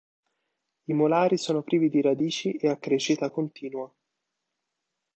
I molari sono privi di radici e a crescita continua.